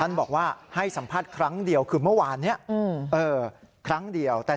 บอกว่าให้สัมภาษณ์ครั้งเดียวคือเมื่อวานนี้ครั้งเดียวแต่